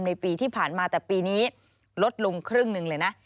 ในปีที่ผ่านมาแต่ปีนี้ลดลงครึ่งหนึ่งเลยนะ